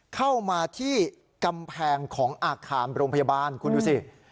เข้ามาที่กำแพงของอาคารโรงพยาบาลคุณดูสิ